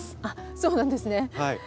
あっそうなんですね。